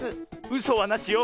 うそはなしよ。